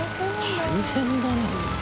大変だな。